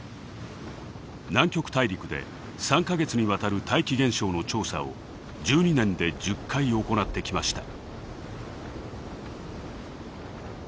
南極大陸で３か月にわたる大気現象の調査を１２年で１０回行ってきました。